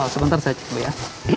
sebentar saya coba ya